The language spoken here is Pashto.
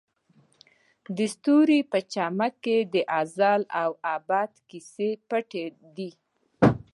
د ستوري په چمک کې د ازل او ابد کیسې پټې دي.